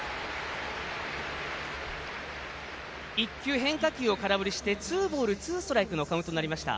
１球、変化球を空振りしてツーボールツーストライクのカウントになりました。